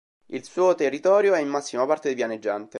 Il suo territorio è in massima parte pianeggiante.